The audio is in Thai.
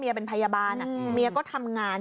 เป็นพยาบาลเมียก็ทำงาน